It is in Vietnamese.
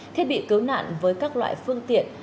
thiết bị cứu nạn với các loại phương tiện